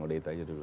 udah itu aja dulu